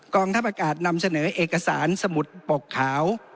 งทัพอากาศนำเสนอเอกสารสมุดปกขาว